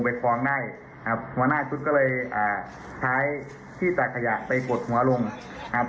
ฟ้องได้ครับหัวหน้าชุดก็เลยอ่าท้ายที่ตากขยะไปกดหัวลงครับ